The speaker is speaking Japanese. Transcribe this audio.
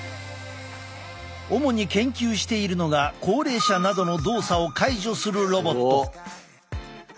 主に研究しているのが高齢者などの動作を介助するロボット。